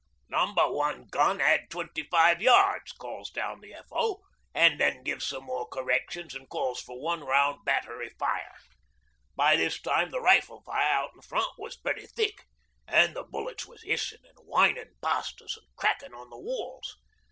'"Number One gun add twenty five yards," calls down the F.O., an' then gives some more corrections an' calls for one round battery fire. By this time the rifle fire out in front was pretty thick and the bullets was hissin' an' whinin' past us an' crackin' on the walls.